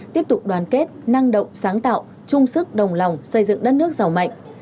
tiếp tục đoàn kết năng động sáng tạo chung sức đồng lòng xây dựng đất nước giàu mạnh